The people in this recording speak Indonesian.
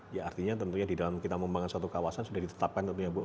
ya artinya tentunya di dalam kita membangun suatu kawasan sudah ditetapkan tentunya bu